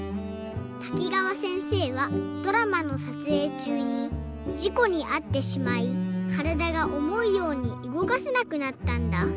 滝川せんせいはドラマのさつえいちゅうにじこにあってしまいからだがおもうようにうごかせなくなったんだ。